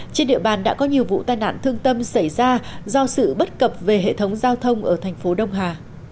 trên địa bàn đã có nhiều vụ tai nạn thương tâm xảy ra do sự bất cập về hệ thống giao thông ở thành phố đông hà